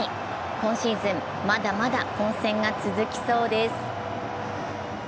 今シーズン、まだまだ混戦が続きそうです。